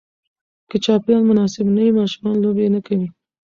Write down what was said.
که چاپېریال مناسب نه وي، ماشومان لوبې نه کوي.